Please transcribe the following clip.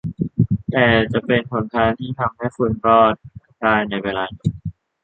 แต่จะเป็นหนทางที่ทำให้คุณอยู่รอดได้ในเวลานี้